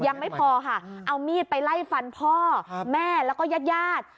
ยังไม่พอค่ะเอามีดไปไล่ฟันพ่อแม่แล้วก็ญาติญาติ